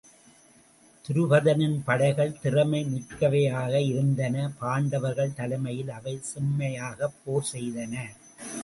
துருபதனின் படைகள் திறமை மிக்கவையாக இருந்தன பாண்டவர்கள் தலைமையில் அவை செம்மை யாகப் போர் செய்தன.